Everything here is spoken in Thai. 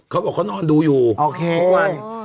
เค้าบอกว่าเค้าน้องอ๋อมดูอยู่โอเคทุกวัน